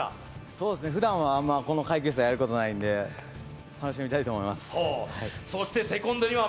ふだんはあんまこの階級差でやることないんで、楽しみたいと思います。